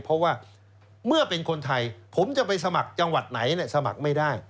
เพราะว่าเมื่อเป็นคนไทยผมจะไปสมัครจังหวัดไหนสมัครไม่ได้